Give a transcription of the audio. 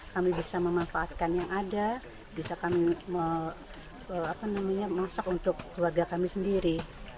kami bisa memanfaatkan yang ada bisa kami masak untuk keluarga kami sendiri